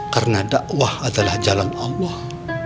karena dakwah adalah jalan allah